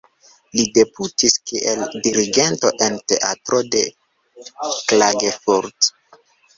Li debutis kiel dirigento en teatro de Klagenfurt.